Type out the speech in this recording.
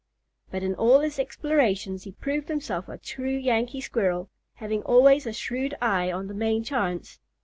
But in all his explorations he proved himself a true Yankee squirrel, having always a shrewd eye on the main chance.